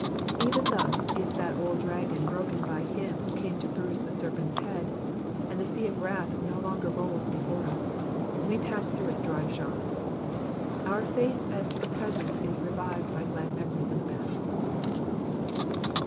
Even thus is that old dragon bioken by him who came to bruise the serpent's head, and the sea of wrath no longer rolls before us ; we pass through it dry shod. Our faith as to the present is revived by glad memories of the past.